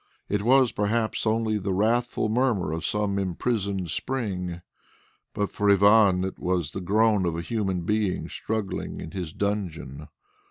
It was perhaps only the wrathful murmur of some imprisoned spring, but for Ivan it was the groan of a human being struggling in his dungeon.